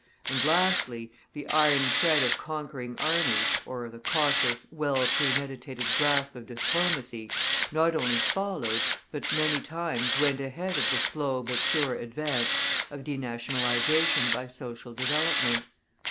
And lastly, the iron thread of conquering armies, or the cautious, well premeditated grasp of diplomacy, not only followed, but many times went ahead of the slow but sure advance of denationalization by social development.